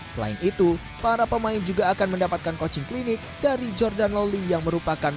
selain itu para pemain juga akan mendapatkan coaching klinik dari jordan loli yang merupakan